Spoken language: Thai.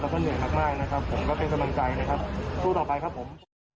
แล้วก็เหนื่อยมากนะครับผมก็เป็นกำลังใจนะครับสู้ต่อไปครับผม